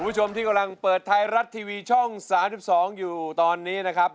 คุณผู้ชมที่กำลังเปิดไทยรัฐทีวีช่อง๓๒อยู่ตอนนี้นะครับ